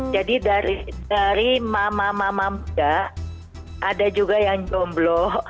jadi dari mama mama muda ada juga yang jomblo